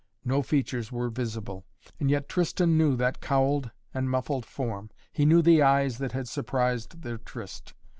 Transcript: No features were visible. And yet Tristan knew that cowled and muffled form. He knew the eyes that had surprised their tryst.